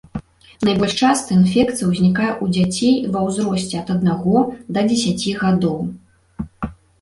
Найбольш часта інфекцыя ўзнікае ў дзяцей ва ўзросце ад аднаго да дзесяці гадоў.